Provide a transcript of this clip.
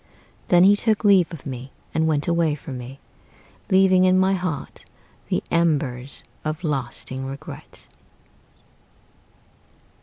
Then he took leave of me, and went away from me, Leaving in my heart the embers of lasting regret.